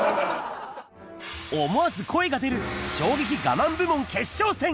思わず声が出る衝撃我慢部門決勝戦。